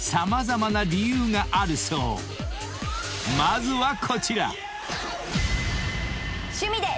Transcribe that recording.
［まずはこちら！］